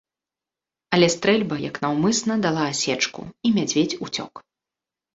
Але стрэльба, як наўмысна, дала асечку, і мядзведзь уцёк.